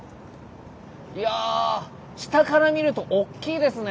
いや下から見るとおっきいですね。